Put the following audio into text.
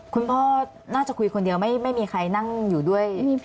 คุณพ่อน่าจะคุยคนเดียวไม่มีใครนั่งอยู่ด้วย